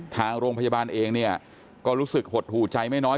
ทางโรงพยาบาลเองเนี่ยก็รู้สึกหดหูใจไม่น้อย